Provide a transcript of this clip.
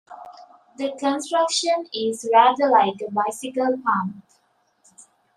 The construction is rather like a bicycle pump.